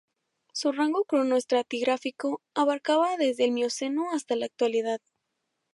Su rango cronoestratigráfico abarcaba desde el Mioceno hasta la Actualidad.